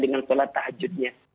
dengan sholat tahajudnya